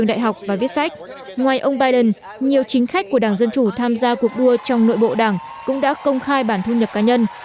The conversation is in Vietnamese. ngoài ông biden nhiều chính khách của đảng dân chủ tham gia cuộc đua trong nội bộ đảng cũng đã công khai bản thu nhập cá nhân